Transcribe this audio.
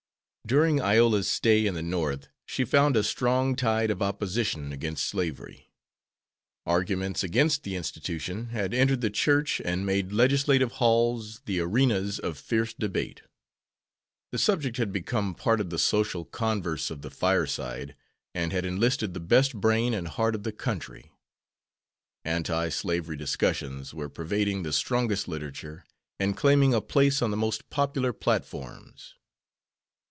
During Iola's stay in the North she found a strong tide of opposition against slavery. Arguments against the institution had entered the Church and made legislative halls the arenas of fierce debate. The subject had become part of the social converse of the fireside, and had enlisted the best brain and heart of the country. Anti slavery discussions were pervading the strongest literature and claiming, a place on the most popular platforms.